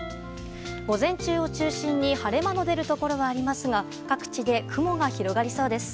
午前中を中心に晴れ間の出るところはありますが各地で雲が広がりそうです。